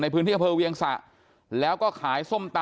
ในพื้นที่กระเพิ่งเวียงสะแล้วก็ขายส้มตำ